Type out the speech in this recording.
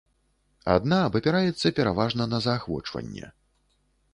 Адна абапіраецца пераважна на заахвочванне.